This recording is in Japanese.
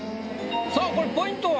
さあこれポイントは？